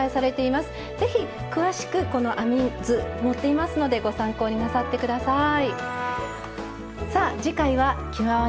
是非詳しくこの編み図載っていますのでご参考になさって下さい。